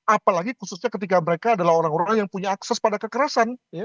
apalagi khususnya ketika mereka adalah orang orang yang punya akses pada kekerasan